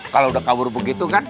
kalau udah kabur begitu kan